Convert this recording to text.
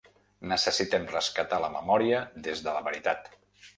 Necessitem rescatar la memòria des de la veritat.